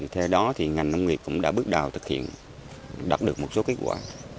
theo đó ngành nông nghiệp cũng đã bước đầu thực hiện đạt được một số kết quả